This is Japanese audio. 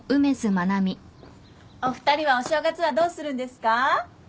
お二人はお正月はどうするんですか？